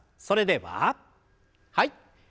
それでははい。